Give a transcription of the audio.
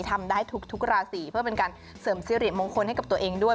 ทำได้ทุกราศีเพื่อเป็นการเสริมสิริมงคลให้กับตัวเองด้วย